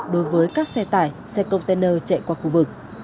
đối với các xe tải xe container chạy qua khu vực